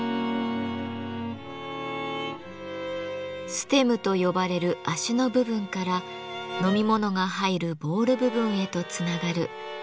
「ステム」と呼ばれる脚の部分から飲み物が入るボウル部分へとつながるなだらかなライン。